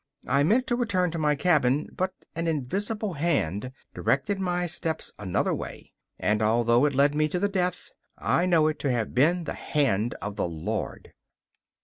I meant to return to my cabin, but an invisible hand directed my steps another way; and although it led me to my death, I know it to have been the hand of the Lord.